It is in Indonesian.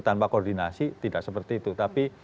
tanpa koordinasi tidak seperti itu tapi